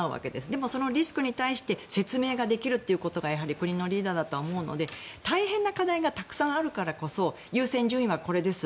でもそのリスクに対する説明ができるということが国のリーダーだとは思うので大変な課題がたくさんあるからこそ優先順位はこれです。